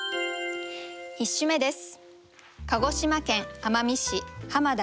１首目です。